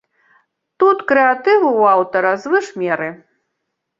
Тут крэатыву ў аўтара звыш меры.